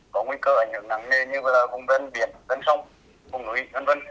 có nguy cơ ảnh hưởng nắng mê như vùng vân biển vân sông vùng núi vân vân